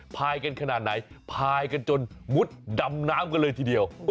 พายกันขนาดไหนพายกันจนมุดดำน้ำกันเลยทีเดียว